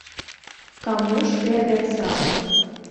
Каму ж ты абяцаў?